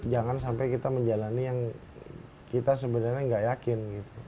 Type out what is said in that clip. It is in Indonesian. jangan sampai kita menjalani yang kita sebenarnya nggak yakin